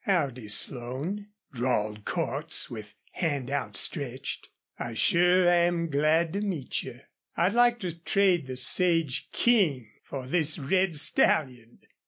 "Howdy, Slone," drawled Cordts, with hand outstretched. "I sure am glad to meet yuh. I'd like to trade the Sage King for this red stallion!"